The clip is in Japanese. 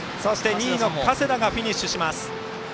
２位の加世田がフィニッシュ。